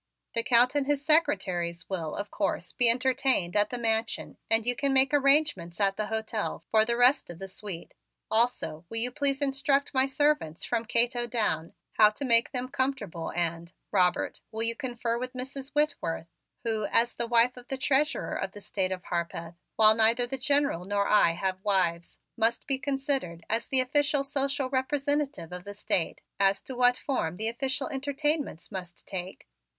The Count and his secretaries will, of course, be entertained at the Mansion and you can make arrangements at the hotel for the rest of the suite. Also will you please instruct my servants, from Cato down, how to make them comfortable and, Robert, will you confer with Mrs. Whitworth, who, as the wife of the Treasurer of the State of Harpeth while neither the General nor I have wives, must be considered as the official social representative of the State, as to what form the official entertainments must take?"